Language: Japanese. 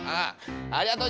ありがとう。